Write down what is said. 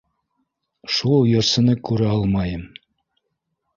Шул йырсыны күрә алмайым.